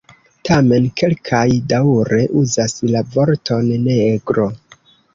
Tamen kelkaj daŭre uzas la vorton "negro".